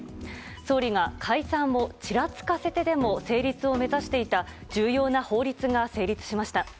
総理が解散をちらつかせてでも成立を目指していた重要な法律が成立しました。